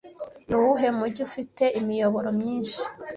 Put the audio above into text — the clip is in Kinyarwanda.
Nuwuhe mujyi ufite imiyoboro myinshi